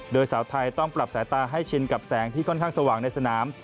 โดยสาวไทยต้องปรับสายตาให้ชินกับแสงที่ค่อนข้างสว่างในสนาม